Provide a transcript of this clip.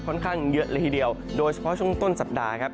ค่อนข้างเยอะเลยทีเดียวโดยเฉพาะช่วงต้นสัปดาห์ครับ